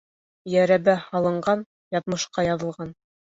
Йәрәбә һалынған, яҙмышҡа яҙылған.